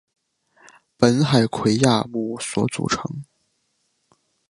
本海葵亚目所组成。